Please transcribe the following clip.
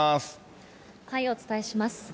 お伝えします。